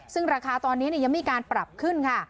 ซึ่งราคาตอนนี้ยังไม่มีการปรับขึ้นค่ะ